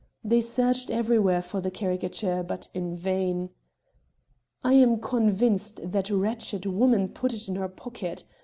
They searched everywhere for the caricature but in vain. "I am convinced that wretched woman put it in her pocket!"